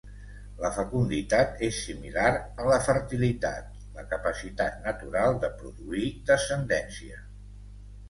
La fecunditat és similar a la fertilitat, la capacitat natural de produir descendència.